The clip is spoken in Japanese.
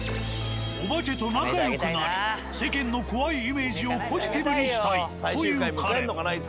お化けと仲よくなり世間の怖いイメージをポジティブにしたいというカレン。